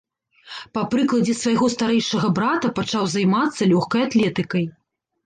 Па прыкладзе свайго старэйшага брата пачаў займацца лёгкай атлетыкай.